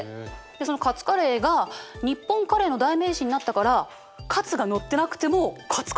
そのカツカレーが日本カレーの代名詞になったからカツが載ってなくてもカツカレーっていうんだって。